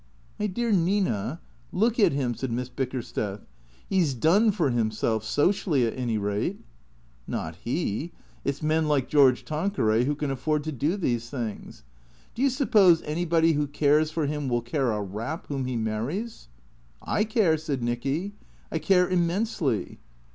" My dear Nina, look at him," said Miss Bickersteth. " He 's done for himself — socially, at any rate." " Not he. It 's men like George Tanqneray who can afford to do these things. Do you suppose anybody who cares for him will care a rap whom he marries ?" "■I care," said Nicky. " I care immensely."